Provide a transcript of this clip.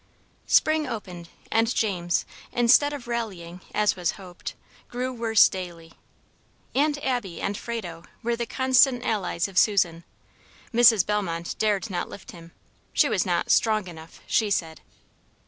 SPRING opened, and James, instead of rallying, as was hoped, grew worse daily. Aunt Abby and Frado were the constant allies of Susan. Mrs. Bellmont dared not lift him. She was not "strong enough," she said.